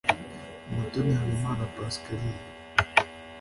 Umutoni Habimana Pascaline